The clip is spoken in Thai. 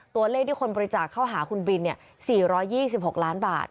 ตัวเลขที่คนบริจาคเข้าหาคุณบิน๔๒๖ล้านบาท